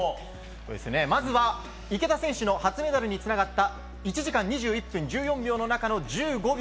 まずは池田選手の初メダルにつながった１時間２１分１４秒の中の１５秒。